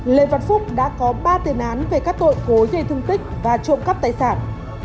lê văn phúc đã có ba tiền án về các tội cố ý gây thương tích và trộm cắp tài sản